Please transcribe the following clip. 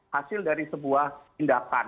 hasil dari sebuah tindakan